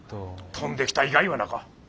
飛んできた以外はなか。